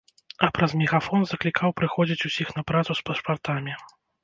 А праз мегафон заклікаў прыходзіць усіх на працу з пашпартамі.